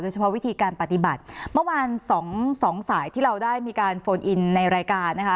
เฉพาะวิธีการปฏิบัติเมื่อวานสองสองสายที่เราได้มีการโฟนอินในรายการนะคะ